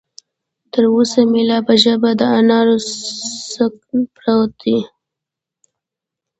تر اوسه مې لا په ژبه د انارو څکه پرته ده.